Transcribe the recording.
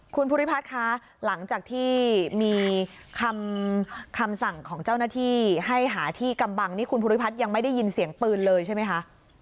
คุณภูริพัฒน์คะหลังจากที่มีคำสั่งของเจ้าหน้าที่ให้หาที่กำบังนี่คุณภูริพัฒน์ยังไม่ได้ยินเสียงปืนเลยใช่ไหมคะ